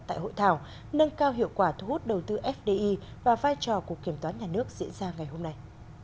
tại hội thảo nâng cao hiệu quả thu hút đầu tư fdi và vai trò của kiểm toán nhà nước diễn ra ngày hôm nay